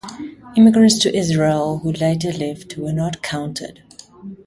Immigrants to Israel who later left were not counted.